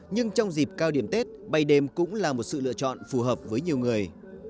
nhưng trong dịp cao điểm tết bay đêm cũng là một sự lựa chọn phù hợp với nhiều người